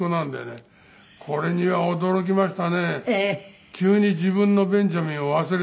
これには驚きました。